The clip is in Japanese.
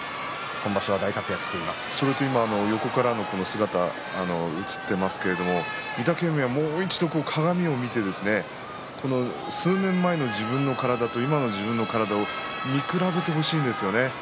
横からの姿が映っていますけど御嶽海はもう一度鏡をみて数年前の自分の体と今の自分の体を見比べてほしいですよね。